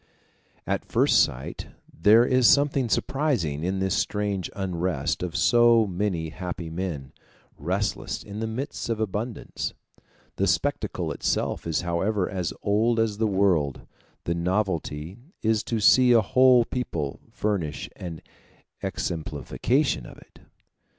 At first sight there is something surprising in this strange unrest of so many happy men, restless in the midst of abundance. The spectacle itself is however as old as the world; the novelty is to see a whole people furnish an exemplification of it.